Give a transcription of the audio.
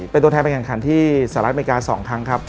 เป็นตัวแทนไปแข่งขันที่สหรัฐอเมริกา๒ครั้งครับ